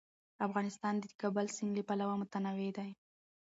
افغانستان د د کابل سیند له پلوه متنوع دی.